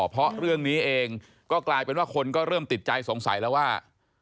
เพราะเรื่องนี้เองก็กลายเป็นว่าคนก็เริ่มติดใจสงสัยแล้วว่า